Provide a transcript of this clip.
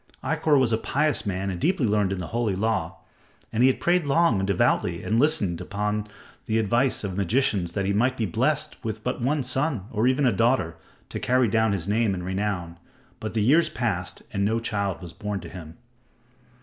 Ikkor was a pious man and deeply learned in the Holy Law; and he had prayed long and devoutly and had listened unto the advice of magicians that he might be blessed with but one son, or even a daughter, to carry down his name and renown. But the years passed and no child was born to him.